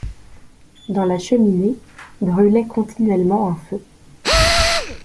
Dans la cheminée brûlait continuellement un feu.